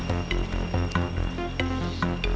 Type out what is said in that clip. ada juga orang antara